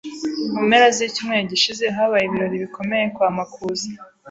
Mu mpera z'icyumweru gishize habaye ibirori bikomeye kwa Makuza.